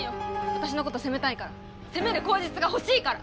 私のことを責めたいから責める口実が欲しいから！